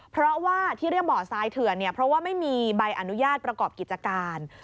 เพราะว่าที่เรียกบ่อทรายเถื่อนเนี่ยเพราะว่าไม่มีใบอนุญาตประกอบกิจการ